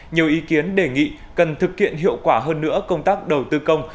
nhiều ý kiến đề nghị cần thực hiện hiệu quả hơn nữa công tác đầu tư công